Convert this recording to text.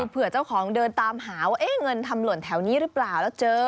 เผื่อเจ้าของเดินตามหาว่าเงินทำหล่นแถวนี้หรือเปล่าแล้วเจอ